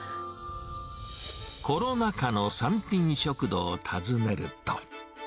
コロナ禍の三品食堂を訪ねると。